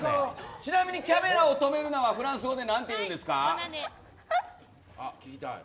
ちなみに「キャメラを止めるな！」はフランス語で何て言うんですか？